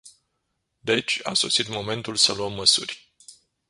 Deci, a sosit momentul să luăm măsuri.